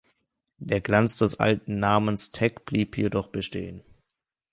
Der Glanz des alten Namens Teck blieb jedoch bestehen.